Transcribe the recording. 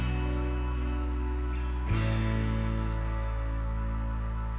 โปรดติดตามตอนต่อไป